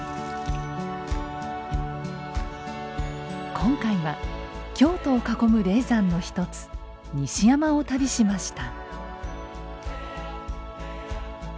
今回は京都を囲む霊山の一つ西山を旅しました。